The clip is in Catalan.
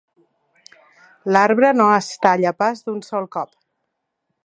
L'arbre no es talla pas d'un sol cop.